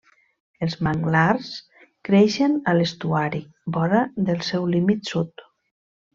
Els manglars creixen a l'estuari, vora del seu límit sud.